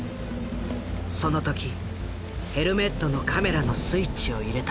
その時ヘルメットのカメラのスイッチを入れた。